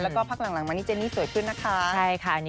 แล้วก็พักหลังมานี่เจนี่สวยขึ้นนะคะ